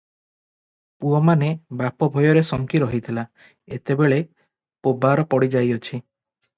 ପୁଅମାନେ ବାପ ଭୟରେ ଶଙ୍କି ରହିଥିଲା, ଏତେବେଳେ ପୋବାର ପଡ଼ିଯାଇଅଛି ।